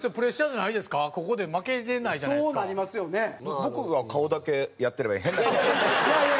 僕は顔だけやってればいい。